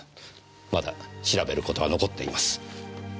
まだ調べる事は残っています。